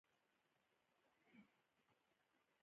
ډیجیټل بانکوالي د وخت او انرژۍ سپما ده.